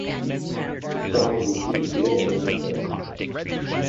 The song received little airplay.